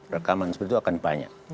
rekaman seperti itu akan banyak